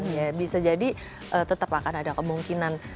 ya bisa jadi tetap akan ada kemungkinan